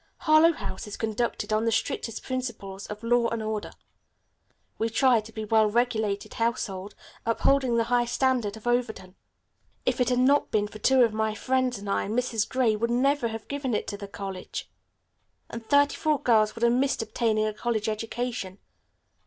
"Harlowe House is conducted on the strictest principles of law and order. We try to be a well regulated household, upholding the high standard of Overton. If it had not been for two of my friends and I, Mrs. Gray would never have given it to the college, and thirty four girls would have missed obtaining a college education.